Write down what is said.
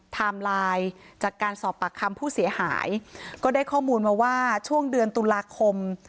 ไลน์จากการสอบปากคำผู้เสียหายก็ได้ข้อมูลมาว่าช่วงเดือนตุลาคม